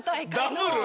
ダブル？